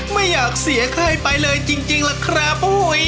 ไม่อยากเสียใครไปเลยจริงล่ะครับ